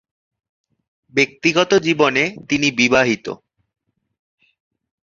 ব্যক্তিগত জীবনে তিনি বিবাহিত।